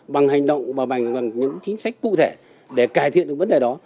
bằng hành động và bằng những chính sách cụ thể để cải thiện được vấn đề đó